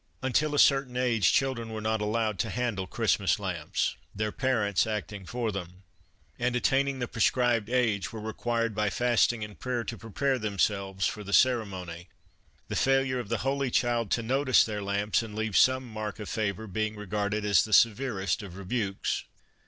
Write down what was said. Until a certain age children were not allowed to handle Christmas lamps, their parents acting for them ; and attaining the prescribed age, were required by fasting and prayer to prepare themselves for the Christmas Under fhree nags ceremony, the failure of the Holy Child to notice their lamps and leave some mark of favor being regarded as the severest of rebukes.